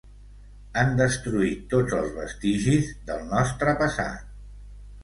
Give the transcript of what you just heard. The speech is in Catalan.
Han destruït tots els vestigis del nostre passat.